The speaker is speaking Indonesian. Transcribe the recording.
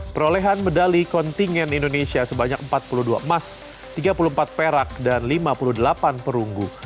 perolehan medali kontingen indonesia sebanyak empat puluh dua emas tiga puluh empat perak dan lima puluh delapan perunggu